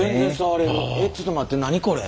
えっちょっと待って何これ。